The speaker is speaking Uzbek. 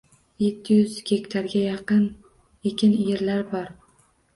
Yetti yuz gektarga yaqin ekin yerlar bor.